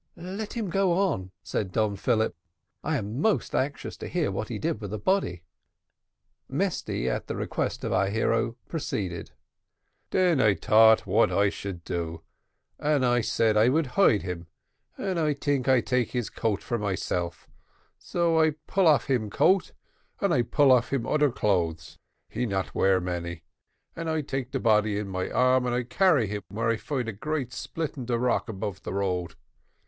"Let him go on," said Don Philip; "I am most anxious to hear what he did with the body." Mesty, at the request of our hero, proceeded: "Den I thought what I should do, and I said I would hide him, and I tink I take his coat for myself so I pull off him coat and I pull off all his oder clothes he not wear many and I take the body in my arm and carry him where I find a great split in de rock above all road.